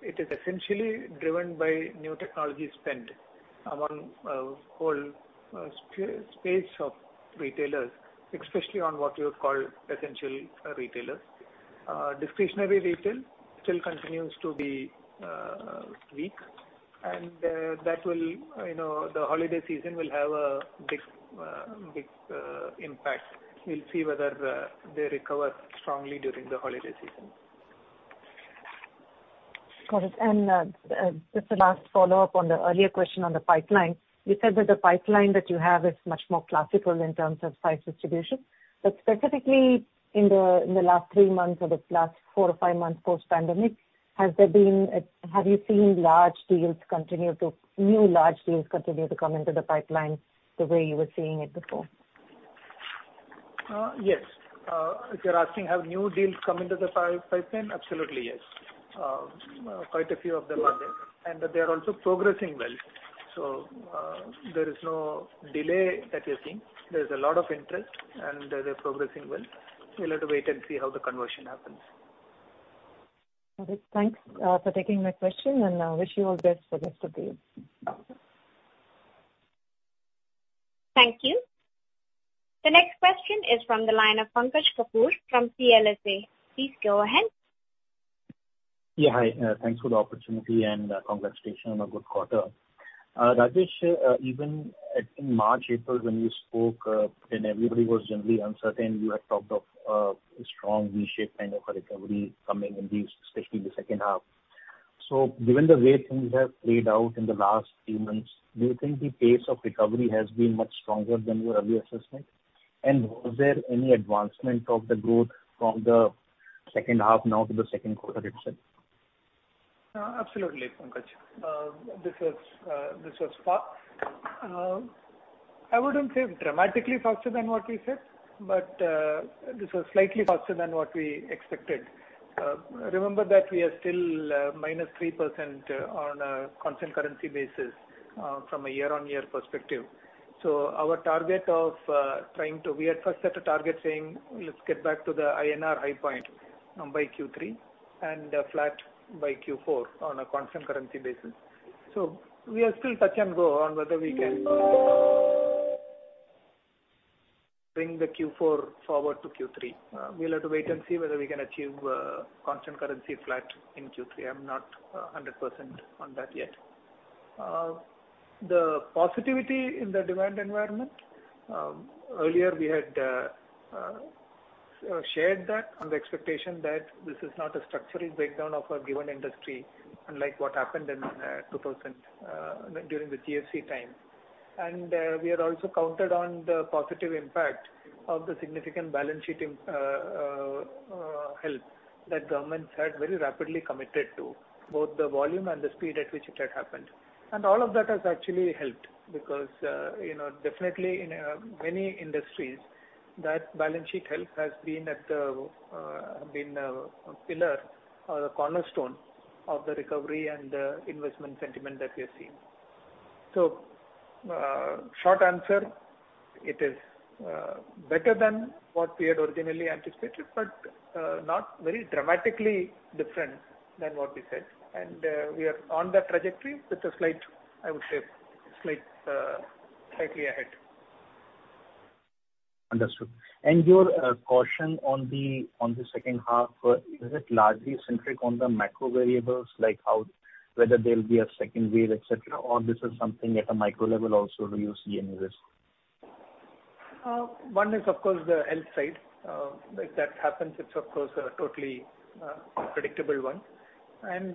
S3: essentially driven by new technology spend among a whole space of retailers, especially on what you would call essential retailers. Discretionary retail still continues to be weak. The holiday season will have a big impact. We will see whether they recover strongly during the holiday season.
S10: Got it. Just the last follow-up on the earlier question on the pipeline. You said that the pipeline that you have is much more classical in terms of size distribution. Specifically, in the last three months or the last four or five months post-pandemic, have you seen new large deals continue to come into the pipeline the way you were seeing it before?
S3: Yes. If you're asking have new deals come into the pipeline, absolutely yes. Quite a few of them are there. They're also progressing well. There is no delay that we're seeing. There's a lot of interest. They're progressing well. We'll have to wait and see how the conversion happens.
S10: Got it. Thanks for taking my question. I wish you all the best for rest of the year.
S1: Thank you. The next question is from the line of Pankaj Kapoor from CLSA. Please go ahead.
S11: Yeah. Hi. Thanks for the opportunity, and congratulations on a good quarter. Rajesh, even in March, April, when you spoke and everybody was generally uncertain, you had talked of a strong V-shaped kind of a recovery coming in, especially in the second half. Given the way things have played out in the last three months, do you think the pace of recovery has been much stronger than your earlier assessment? Was there any advancement of the growth from the second half now to the second quarter itself?
S3: Absolutely, Pankaj. This was fast. I wouldn't say dramatically faster than what we said, this was slightly faster than what we expected. Remember that we are still -3% on a constant currency basis from a year-on-year perspective. We had first set a target saying, let's get back to the INR high point by Q3 and flat by Q4 on a constant currency basis. We are still touch and go on whether we can bring the Q4 forward to Q3. We'll have to wait and see whether we can achieve constant currency flat in Q3. I'm not 100% on that yet. The positivity in the demand environment. Earlier we had shared that on the expectation that this is not a structural breakdown of a given industry, unlike what happened in 2000 during the GFC time. We had also counted on the positive impact of the significant balance sheet help that governments had very rapidly committed to both the volume and the speed at which it had happened. All of that has actually helped because definitely in many industries, that balance sheet help has been a pillar or the cornerstone of the recovery and the investment sentiment that we are seeing. Short answer, it is better than what we had originally anticipated, but not very dramatically different than what we said. We are on that trajectory with a slight, I would say slightly ahead.
S11: Understood. Your caution on the second half, is it largely centric on the macro variables, like whether there'll be a second wave, et cetera, or this is something at a micro level also, do you see any risk?
S3: One is, of course, the health side. If that happens, it's of course a totally predictable one. On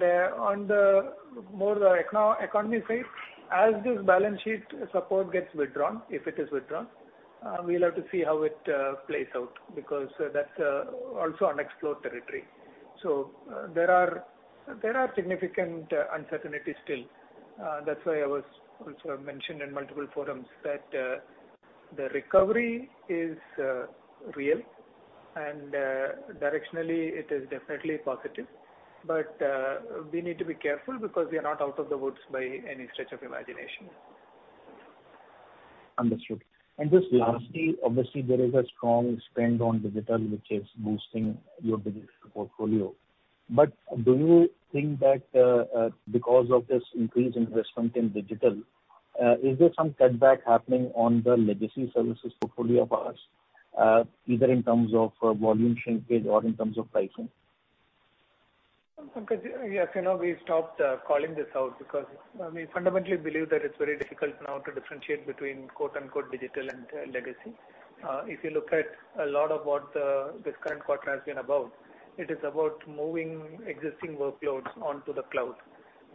S3: the more economy side, as this balance sheet support gets withdrawn, if it is withdrawn, we'll have to see how it plays out, because that's also unexplored territory. There are significant uncertainties still. That's why I also mentioned in multiple forums that the recovery is real and directionally it is definitely positive. We need to be careful because we are not out of the woods by any stretch of imagination.
S11: Understood. Just lastly, obviously, there is a strong spend on digital, which is boosting your digital portfolio. Do you think that because of this increased investment in digital, is there some setback happening on the legacy services portfolio part, either in terms of volume shrinkage or in terms of pricing?
S3: Pankaj, as you know, we've stopped calling this out because we fundamentally believe that it's very difficult now to differentiate between "digital" and "legacy." If you look at a lot of what this current quarter has been about, it is about moving existing workloads onto the cloud.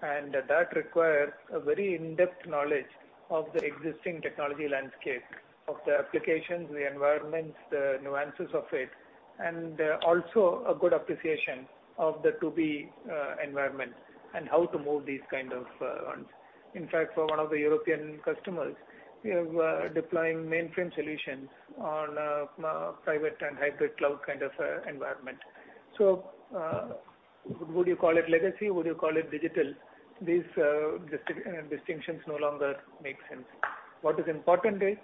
S3: That requires a very in-depth knowledge of the existing technology landscape of the applications, the environments, the nuances of it, and also a good appreciation of the to-be environment and how to move these kind of ones. In fact, for one of the European customers, we are deploying mainframe solutions on a private and hybrid cloud kind of environment. Would you call it legacy? Would you call it digital? These distinctions no longer make sense. What is important is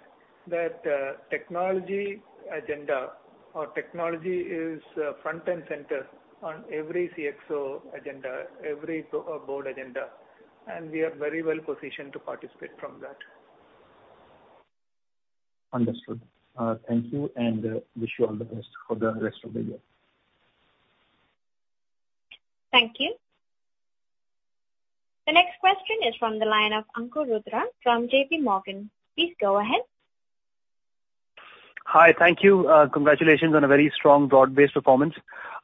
S3: that technology agenda or technology is front and center on every CXO agenda, every board agenda, and we are very well positioned to participate from that.
S11: Understood. Thank you, and wish you all the best for the rest of the year.
S1: Thank you. The next question is from the line of Ankur Rudra from JPMorgan. Please go ahead.
S12: Hi. Thank you. Congratulations on a very strong broad-based performance.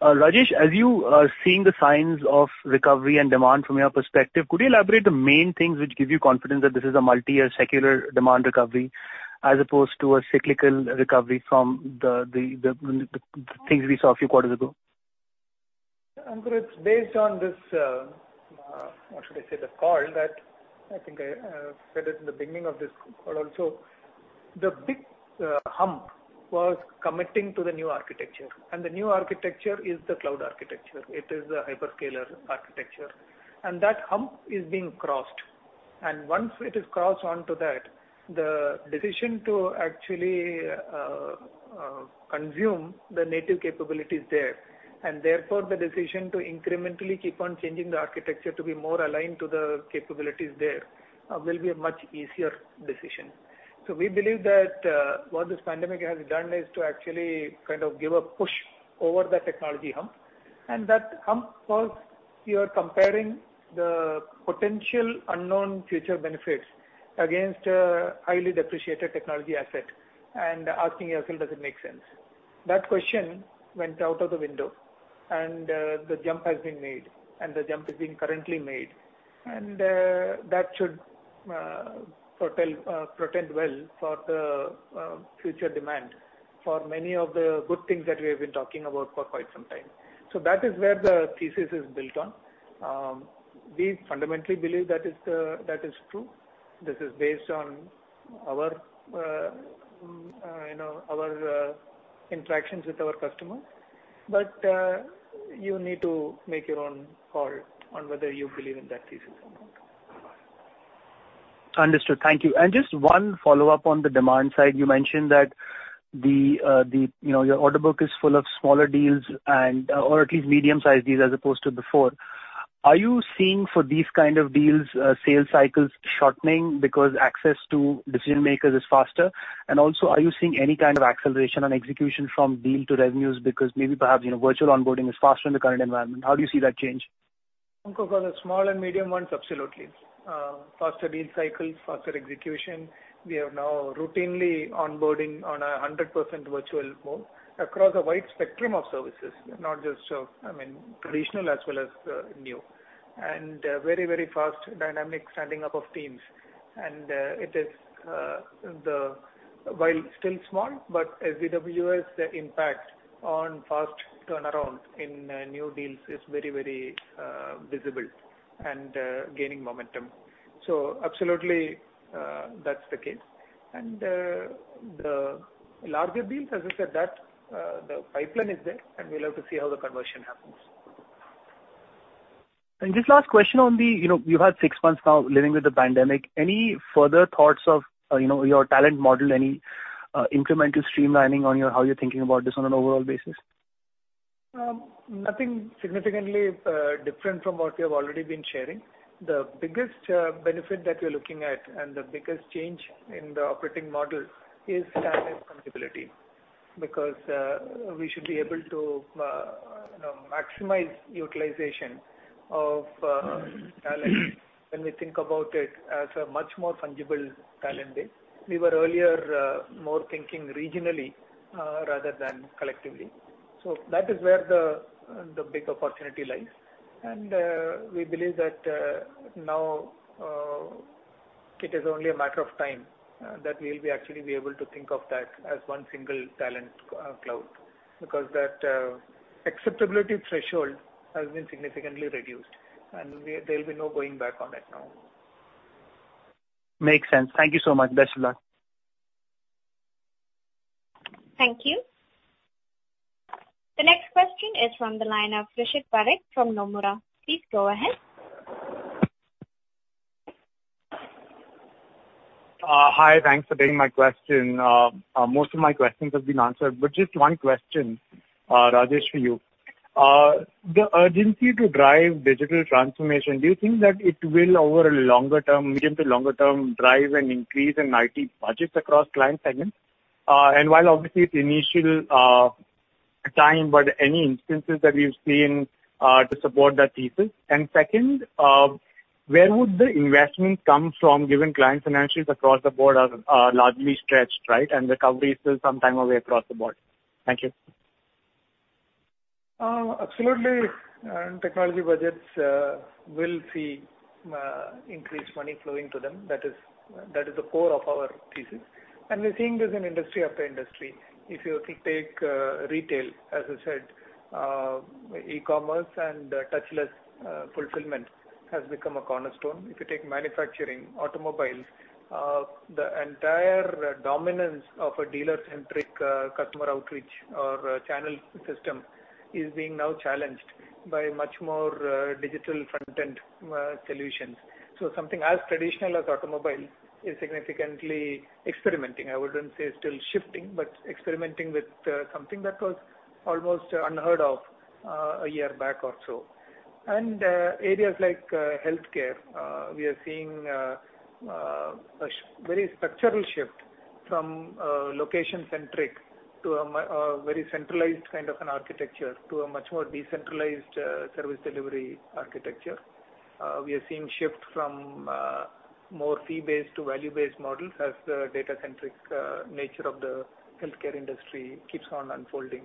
S12: Rajesh, as you are seeing the signs of recovery and demand from your perspective, could you elaborate the main things which give you confidence that this is a multi-year secular demand recovery as opposed to a cyclical recovery from the things we saw a few quarters ago?
S3: Ankur, it's based on this, what should I say, the call that I think I said it in the beginning of this call also. The big hump was committing to the new architecture. The new architecture is the cloud architecture. It is a hyperscaler architecture. That hump is being crossed. Once it is crossed onto that, the decision to actually consume the native capability is there. Therefore, the decision to incrementally keep on changing the architecture to be more aligned to the capabilities there will be a much easier decision. We believe that what this pandemic has done is to actually give a push over the technology hump. That hump was you're comparing the potential unknown future benefits against a highly depreciated technology asset and asking yourself does it make sense? That question went out of the window, and the jump has been made, and the jump is being currently made. That should portend well for the future demand for many of the good things that we have been talking about for quite some time. That is where the thesis is built on. We fundamentally believe that is true. This is based on our interactions with our customers. You need to make your own call on whether you believe in that thesis or not.
S12: Understood. Thank you. Just one follow-up on the demand side. You mentioned that your order book is full of smaller deals or at least medium-sized deals as opposed to before. Are you seeing for these kind of deals sales cycles shortening because access to decision-makers is faster? Also, are you seeing any kind of acceleration on execution from deal to revenues because maybe perhaps virtual onboarding is faster in the current environment? How do you see that change?
S3: Ankur, for the small and medium ones, absolutely. Faster deal cycles, faster execution. We are now routinely onboarding on 100% virtual mode across a wide spectrum of services, not just traditional as well as new. Very, very fast dynamic standing up of teams. While still small, but as AWS, the impact on fast turnaround in new deals is very visible and gaining momentum. Absolutely, that's the case. The larger deals, as I said, the pipeline is there, and we'll have to see how the conversion happens.
S12: Just last question you've had six months now living with the pandemic. Any further thoughts of your talent model? Any incremental streamlining on how you're thinking about this on an overall basis?
S3: Nothing significantly different from what we have already been sharing. The biggest benefit that we're looking at and the biggest change in the operating model is talent fungibility. We should be able to maximize utilization of talent when we think about it as a much more fungible talent base. We were earlier more thinking regionally rather than collectively. That is where the big opportunity lies. We believe that now it is only a matter of time that we'll be actually be able to think of that as one single talent cloud because that acceptability threshold has been significantly reduced, and there'll be no going back on that now.
S12: Makes sense. Thank you so much. Best of luck.
S1: Thank you. The next question is from the line of Rishit Parikh from Nomura. Please go ahead.
S13: Hi, thanks for taking my question. Most of my questions have been answered, just one question, Rajesh, for you. The urgency to drive digital transformation, do you think that it will over a medium to longer term drive an increase in IT budgets across client segments? While obviously it's initial time, any instances that you've seen to support that thesis? Second, where would the investment come from given client financials across the board are largely stretched, right, and recovery is still some time away across the board? Thank you.
S3: Absolutely. Technology budgets will see increased money flowing to them. That is the core of our thesis. We're seeing this in industry after industry. If you take retail, as I said, e-commerce and touchless fulfillment has become a cornerstone. If you take manufacturing, automobiles, the entire dominance of a dealer-centric customer outreach or channel system is being now challenged by much more digital front-end solutions. Something as traditional as automobile is significantly experimenting. I wouldn't say still shifting, but experimenting with something that was almost unheard of a year back or so. Areas like healthcare, we are seeing a very structural shift from location-centric to a very centralized kind of an architecture to a much more decentralized service delivery architecture. We are seeing shift from more fee-based to value-based models as the data-centric nature of the healthcare industry keeps on unfolding.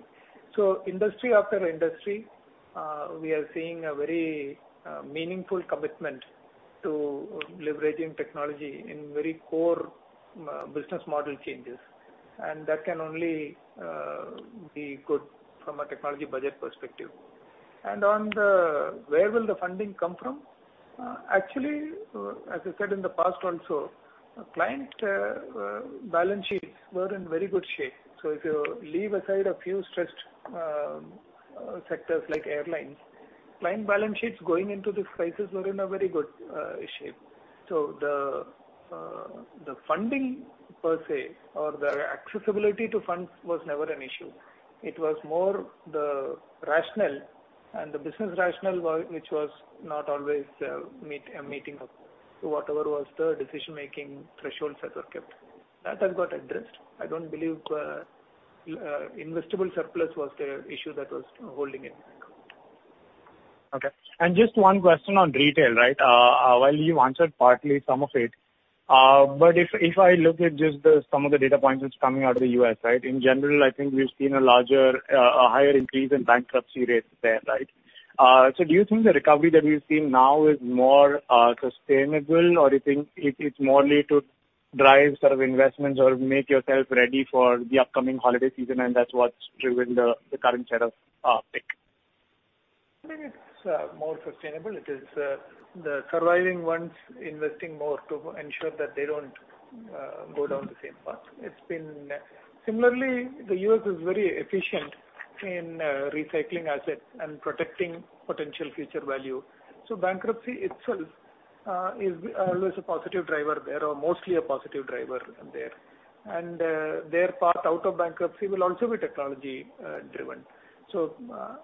S3: Industry after industry, we are seeing a very meaningful commitment to leveraging technology in very core business model changes, and that can only be good from a technology budget perspective. On the where will the funding come from? Actually, as I said in the past also, client balance sheets were in very good shape. If you leave aside a few stressed sectors like airlines, client balance sheets going into this crisis were in a very good shape. The funding per se or the accessibility to funds was never an issue. It was more the rationale and the business rationale, which was not always meeting up to whatever was the decision-making thresholds that were kept. That has got addressed. I don't believe investable surplus was the issue that was holding it back.
S13: Okay. Just one question on retail. While you answered partly some of it, but if I look at just some of the data points that's coming out of the U.S., in general, I think we've seen a higher increase in bankruptcy rates there. Do you think the recovery that we've seen now is more sustainable or you think it's more likely to drive sort of investments or make yourself ready for the upcoming holiday season and that's what's driven the current set of pick?
S3: I think it's more sustainable. It is the surviving ones investing more to ensure that they don't go down the same path. Similarly, the U.S. is very efficient in recycling asset and protecting potential future value. Bankruptcy itself is always a positive driver there, or mostly a positive driver there. Their path out of bankruptcy will also be technology-driven.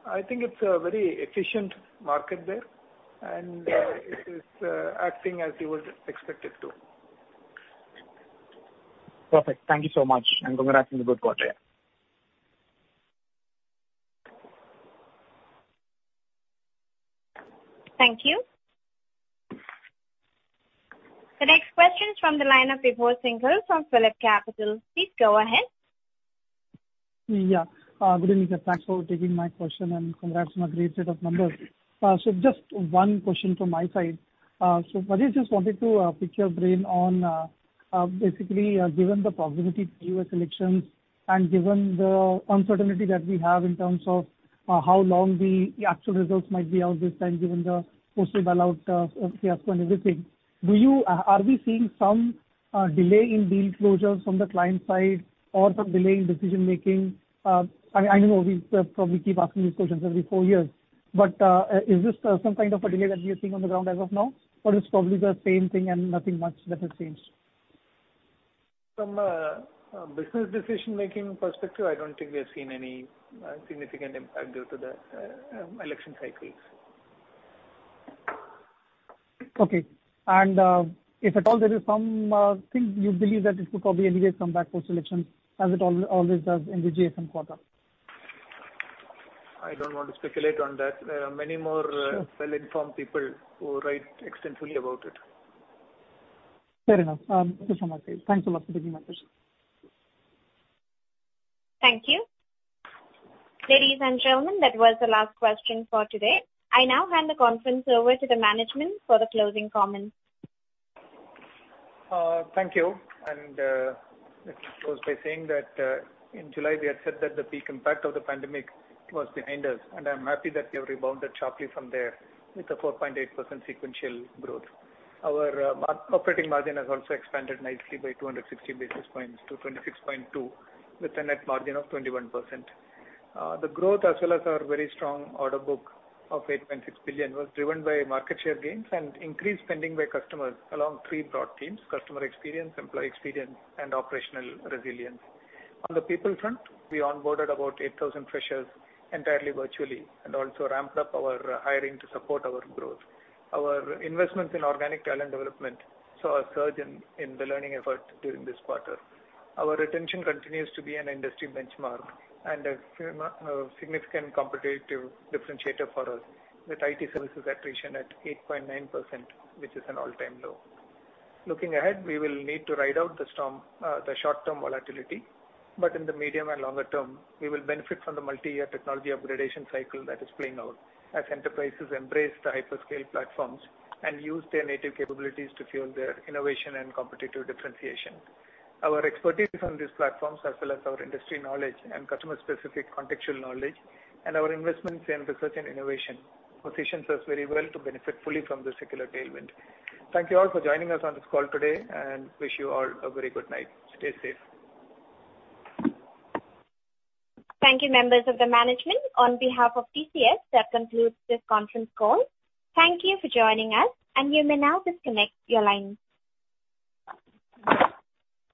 S3: I think it's a very efficient market there, and it is acting as you would expect it to.
S13: Perfect. Thank you so much, and congrats on the good quarter.
S1: Thank you. The next question is from the line of Vibhor Singhal from PhillipCapital. Please go ahead.
S14: Yeah. Good evening. Thanks for taking my question and congrats on a great set of numbers. Just one question from my side. I just wanted to pick your brain on basically, given the proximity to U.S. elections and given the uncertainty that we have in terms of how long the actual results might be out this time, given the postal ballot fiasco and everything, are we seeing some delay in deal closures from the client side or some delay in decision-making? I know we probably keep asking these questions every four years. Is this some kind of a delay that we are seeing on the ground as of now? It's probably the same thing and nothing much that has changed.
S3: From a business decision-making perspective, I don't think we have seen any significant impact due to the election cycles.
S14: Okay. If at all there is some thing you believe that it could probably alleviate some back post-election as it always does in the GSM quarter.
S3: I don't want to speculate on that. There are many more well-informed people who write extensively about it.
S14: Fair enough. This is on my page. Thanks a lot for taking my question.
S1: Thank you. Ladies and gentlemen, that was the last question for today. I now hand the conference over to the management for the closing comments.
S3: Thank you. Let me close by saying that in July we had said that the peak impact of the pandemic was behind us, I'm happy that we have rebounded sharply from there with a 4.8% sequential growth. Our operating margin has also expanded nicely by 260 basis points to 26.2% with a net margin of 21%. The growth as well as our very strong order book of $8.6 billion was driven by market share gains and increased spending by customers along three broad themes, customer experience, employee experience and operational resilience. On the people front, we onboarded about 8,000 freshers entirely virtually. Also ramped up our hiring to support our growth. Our investments in organic talent development saw a surge in the learning effort during this quarter. Our retention continues to be an industry benchmark and a significant competitive differentiator for us with IT services attrition at 8.9%, which is an all-time low. Looking ahead, we will need to ride out the storm, the short-term volatility. In the medium and longer term, we will benefit from the multi-year technology upgradation cycle that is playing out as enterprises embrace the hyperscale platforms and use their native capabilities to fuel their innovation and competitive differentiation. Our expertise on these platforms as well as our industry knowledge and customer-specific contextual knowledge and our investments in research and innovation positions us very well to benefit fully from the secular tailwind. Thank you all for joining us on this call today and wish you all a very good night. Stay safe.
S1: Thank you, members of the management. On behalf of TCS, that concludes this conference call. Thank you for joining us and you may now disconnect your lines.